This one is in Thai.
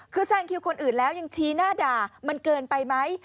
คือแซงคิวคนอื่นแล้วยังชี้หน้าด่ามันเกินไปไหม